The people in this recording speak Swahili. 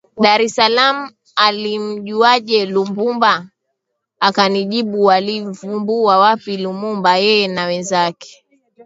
Dar es Salaam alimjuaje Lumbumba Akanijibu walimvumbua wapi Lumumba Yeye na wenzake